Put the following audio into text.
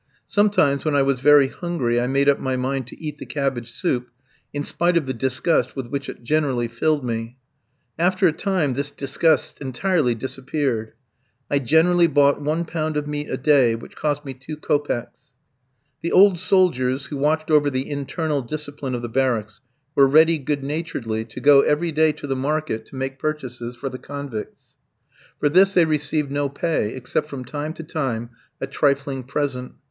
Sometimes when I was very hungry I made up my mind to eat the cabbage soup, in spite of the disgust with which it generally filled me. After a time this disgust entirely disappeared. I generally bought one pound of meat a day, which cost me two kopecks [5 kopecks = 2 pence.] The old soldiers, who watched over the internal discipline of the barracks, were ready, good naturedly, to go every day to the market to make purchases for the convicts. For this they received no pay, except from time to time a trifling present.